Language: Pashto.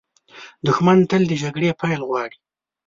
دښمن تل د جګړې پیل غواړي